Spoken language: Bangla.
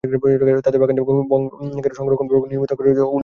তাতে বাগানটি সংরক্ষণপূর্বক নিয়মিত কার্যক্রম অব্যাহত রাখার কথা উল্লেখ করা হয়।